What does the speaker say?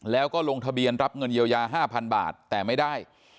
แล้วก็ลงทะเบียนรับเงินเยียวยา๕๐๐๐บาทแต่ไม่ได้